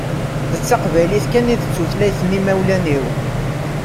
D taqbaylit kan i d tutlayt n imawlan-iw.